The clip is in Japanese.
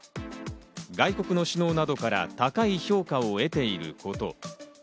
外国の首脳などから高い評価を得ていること。